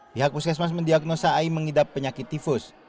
pihak puskesmas mendiagnosa ai mengidap penyakit tifus